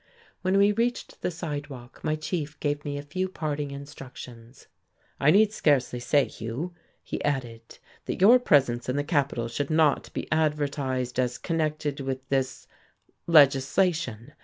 When we reached the sidewalk my chief gave me a few parting instructions. "I need scarcely say, Hugh," he added, "that your presence in the capital should not be advertised as connected with this legislation.